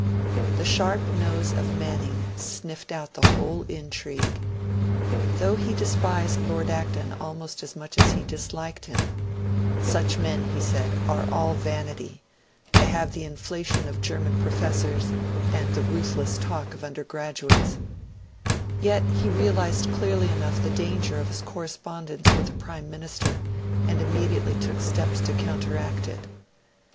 The sharp nose of Manning sniffed out the whole intrigue. Though he despised Lord Acton almost as much as he disliked him 'such men,' he said, 'are all vanity: they have the inflation of German professors, and the ruthless talk of undergraduates' yet he realised clearly enough the danger of his correspondence with the Prime Minister, and immediately took steps to counteract it.